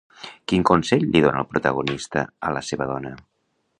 Quin consell li dona el protagonista a la seva dona?